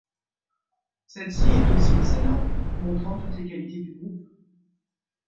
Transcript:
Celle-ci est aussi excellente, montrant toutes les qualités du groupe.